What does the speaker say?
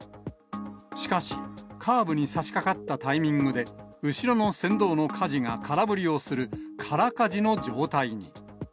しかし、カーブにさしかかったタイミングで、後ろの船頭のかじが空振りをする、空かじの状態に。